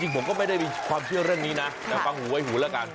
ผมก็ไม่ได้มีความเชื่อเรื่องนี้นะแต่ฟังหูไว้หูแล้วกัน